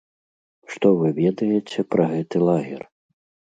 Што вы ведаеце пра гэты лагер?